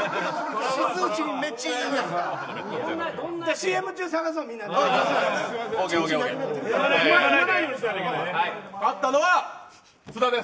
ＣＭ中探そう、みんなで。